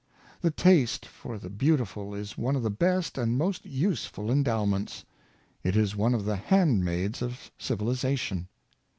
The taste for the beautiful is one of the best and most useful endowments. It is one of the handmaids of civilization.